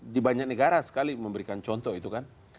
di banyak negara sekali memberikan contoh itu kan